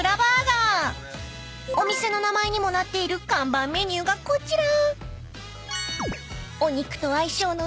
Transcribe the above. ［お店の名前にもなっている看板メニューがこちら］